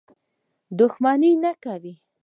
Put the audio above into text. دښمني نه کوي.